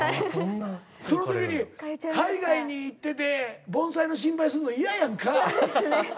その時に海外に行ってて盆栽の心配するの嫌やんか。